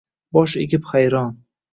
Bosh egib hayron